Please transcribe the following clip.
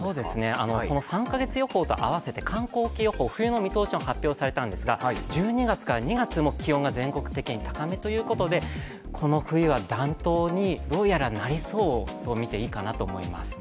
この３か月予報と合わせて寒候期予報、冬の見通しが発表されたんですが１２月から２月も全国的に気温が高めということでこの冬は暖冬にどうやらなりそうと見ていいかなと思います。